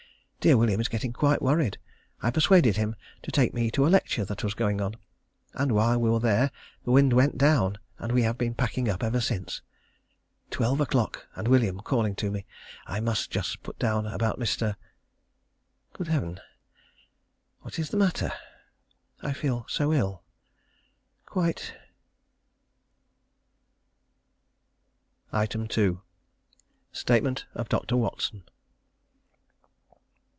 Dear William getting quite worried; I persuaded him to take me to a lecture that was going on, and while we were there the wind went down, and we have been packing up ever since. Twelve o'clock! and William calling to me. I must just put down about Mr.... Good Heaven! What is the matter? I feel so ill quite 2. _Statement of Dr. Watson.